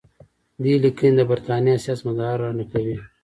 دې لیکنې د برټانیې سیاستمدار را نقلوي.